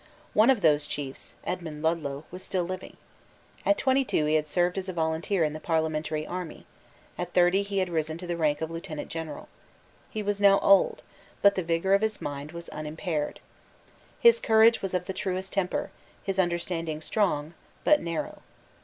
One of those chiefs, Edmund Ludlow, was still living. At twenty two he had served as a volunteer in the parliamentary army; at thirty he had risen to the rank of Lieutenant General. He was now old; but the vigour of his mind was unimpaired. His courage was of the truest temper; his understanding strong, but narrow.